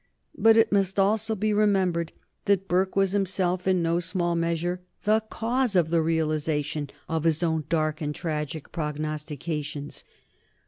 But it must also be remembered that Burke was himself in no small measure the cause of the realization of his own dark and tragic prognostications.